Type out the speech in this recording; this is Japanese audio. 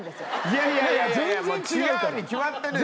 いやいやいやいや違うに決まってるでしょ。